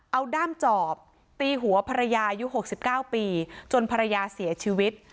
เอาด้ามจอบตีหัวภรรยายุค๖๙ปีจนภรรยาเสียชีวิต